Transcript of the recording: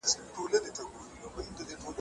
زده کوونکي به راتلونکي کي بریالي وي.